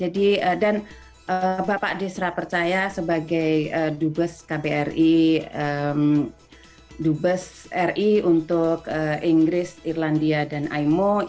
dan bapak diserah percaya sebagai dubes kbri dubes ri untuk inggris irlandia dan indonesia